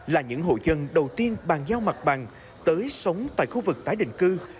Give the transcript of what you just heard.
là những hộ dân đầu tiên bàn giao mặt bằng tới sống tại khu vực tái định cư